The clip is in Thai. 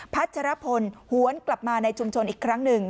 ัชรพลหวนกลับมาในชุมชนอีกครั้งหนึ่ง